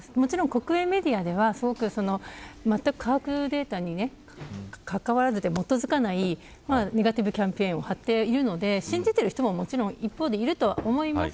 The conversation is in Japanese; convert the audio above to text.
国営メディアでは科学データに基づかないネガティブキャンペーンを張っているので、信じている人も一方でいると思います。